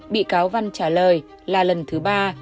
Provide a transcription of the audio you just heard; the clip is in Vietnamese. bị cáo văn trả lời là lần thứ ba